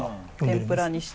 天ぷらにして。